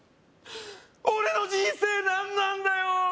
俺の人生何なんだよ